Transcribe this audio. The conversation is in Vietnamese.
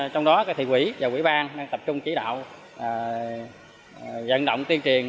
trong đó thì quỹ và quỹ ban đang tập trung chỉ đạo dẫn động tiên triền